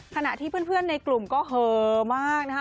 ขณะที่เพื่อนในกลุ่มก็เหอมากนะคะ